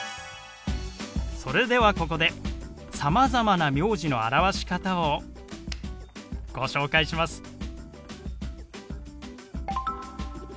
それではここでさまざまな名字の表し方をご紹介します。